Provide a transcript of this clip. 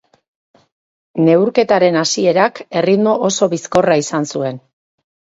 Neurketaren hasierak erritmo oso bizkorra izan zuen.